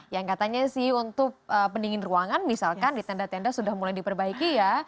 yang katanya sih untuk pendingin ruangan misalkan di tenda tenda sudah mulai diperbaiki ya